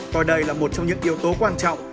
coi đây là một trong những yếu tố quan trọng